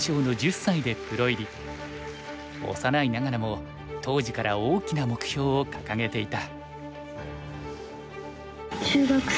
幼いながらも当時から大きな目標を掲げていた。